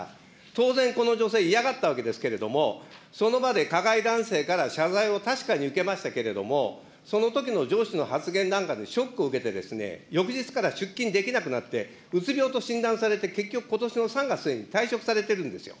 当然、この女性、嫌がったわけですけれども、その場で加害男性から謝罪を確かに受けましたけれども、そのときの上司の発言なんかで、ショックを受けて、翌日から出勤できなくなって、うつ病と診断されて、結局、ことしの３月に退職されてるんですよ。